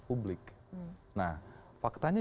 publik nah faktanya